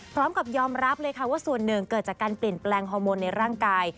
พร้อมกับยอมรับเลยค่ะว่าส่วนหนึ่งเกิดจากการเปลี่ยนแปลงฮอร์โมนในร่างกาย